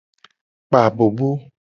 Kpa abobo.